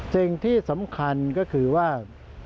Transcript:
สิ่งที่สำคัญก็คือว่า